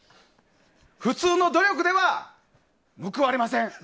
普通の努力では報われません。